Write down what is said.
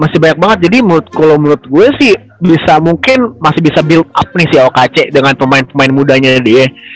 masih banyak banget jadi kalau menurut gue sih bisa mungkin masih bisa build up nih si okc dengan pemain pemain mudanya dia